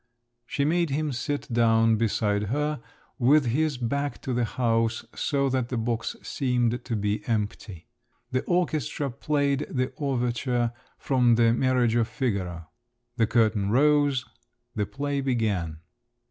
She made him sit down beside her with his back to the house so that the box seemed to be empty. The orchestra played the overture from the Marriage of Figaro. The curtain rose, the play began.